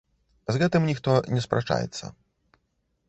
З гэтым ніхто не спрачаецца.